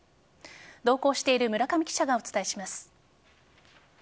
同行している村上記者がお伝えします。